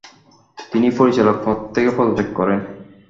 তিনি পরিচালক পদ থেকে পদত্যাগ করেন ।